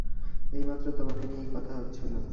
এইমাত্র তোমাকে নিয়েই কথা হচ্ছিল।